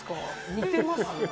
似てます？